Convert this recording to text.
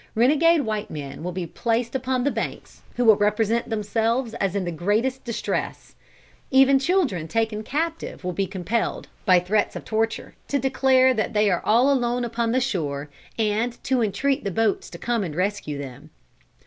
Renegade white men will be placed upon the banks, who will represent themselves as in the greatest distress. Even children taken captive will be compelled, by threats of torture, to declare that they are all alone upon the shore, and to entreat the boats to come and rescue them.